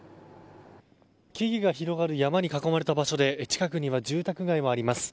木々が広がる山に囲まれた場所で近くには住宅街もあります。